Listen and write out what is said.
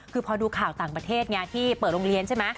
คือพอดูข่าวต่างประเทศไงที่เปิดโรงเรียนใช่ไหม